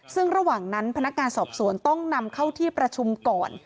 ซึ่งระหว่างนั้นพนักงานสอบสวนต้องนำเข้าที่ประชุมก่อน